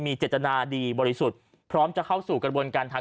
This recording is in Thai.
เจตนาดีบริสุทธิ์พร้อมจะเข้าสู่กระบวนการทาง